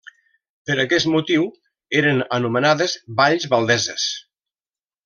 Per aquest motiu eren anomenades Valls Valdeses.